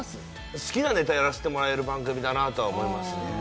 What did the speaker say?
好きなネタやらせてもらえる番組だなとは思いますね